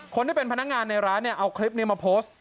คนที่เป็นพนักงานในร้านเนี่ยเอาคลิปนี้มาโพสต์